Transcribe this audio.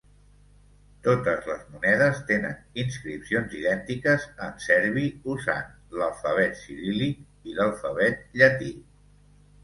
Totes les monedes tenen inscripcions idèntiques en serbi, usant l"alfabet ciríl·lic i l"alfabet llatí.